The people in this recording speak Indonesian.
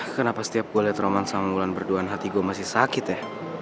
kenapa setiap gue lihat roman sama mulan berduaan hati gue masih sakit ya